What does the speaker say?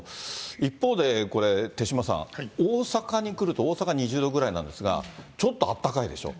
一方でこれ手嶋さん、大阪に来ると、大阪、２０度ぐらいなんですが、ちょっとあったかいでしょ。